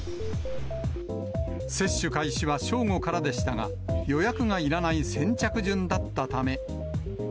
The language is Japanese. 接種開始は正午からでしたが、予約がいらない先着順だったため。